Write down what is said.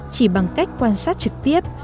chỉ bằng cách quan sát trực tiếp